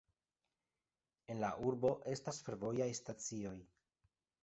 En la urbo estas fervojaj stacioj.